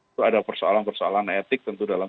itu ada persoalan persoalan etik tentu dalam